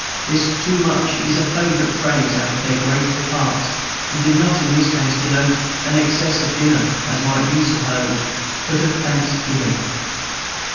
This "too much" is a favorite phrase out of their grateful hearts, and did not in this case denote an excess of dinner, as might be supposed, but of thanksgiving.